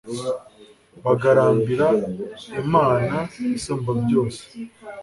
bagarambira imana isumbabyose